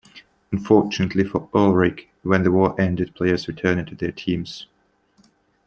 Unfortunately for Ullrich, when the war ended players returned to their teams.